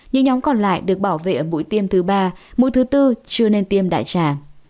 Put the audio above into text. những nhóm còn lại được bảo vệ ở mũi tiêm thứ ba mũi thứ tư chưa nên tiêm đại trà